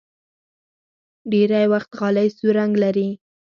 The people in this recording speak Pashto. ډېری وخت غالۍ سور رنګ لري.